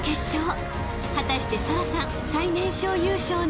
［果たして沙羅さん］